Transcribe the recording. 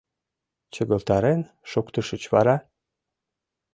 Чыгылтарен шуктышыч вара?